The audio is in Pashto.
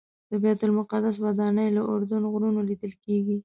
د بیت المقدس ودانۍ له اردن غرونو لیدل کېږي.